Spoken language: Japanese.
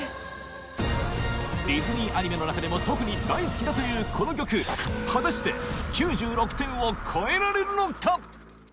ディズニーアニメの中でも特に大好きだというこの曲果たして９６点を超えられるのか